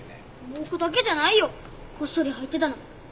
僕だけじゃないよこっそり入ってたの。